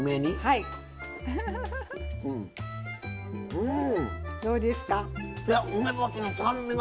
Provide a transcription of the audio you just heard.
うん。